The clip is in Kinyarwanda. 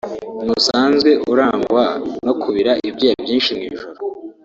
ntusanzwe urangwa no kubira ibyuya byinshi mu ijoro